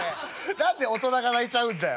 「何で大人が泣いちゃうんだよ？